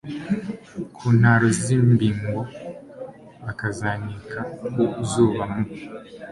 ku ntaro z imbingo bakazanika ku zuba mu